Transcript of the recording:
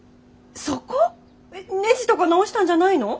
えっネジとか直したんじゃないの？